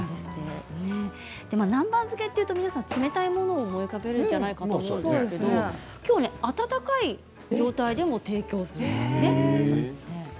南蛮漬けというと皆さん冷たいものを思い浮かべるんじゃないかと思うんですがきょうは温かい状態でも提供するんですって。